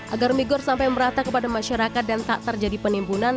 agar migor sampai merata kepada masyarakat dan tak terjadi penimbunan